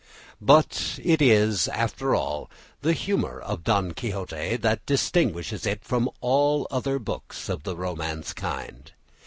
But it is, after all, the humour of "Don Quixote" that distinguishes it from all other books of the romance kind.